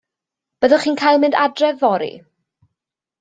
Byddwch chi'n cael mynd adre yfory.